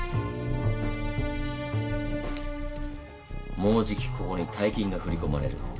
もうじきここに大金が振り込まれる。